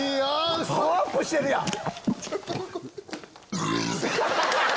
パワーアップしてるやん。